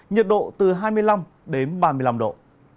nhật độ từ hai mươi năm ba mươi năm độ